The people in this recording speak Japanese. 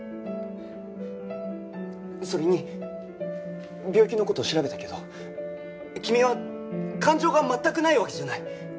それに病気の事調べたけど君は感情が全くないわけじゃない。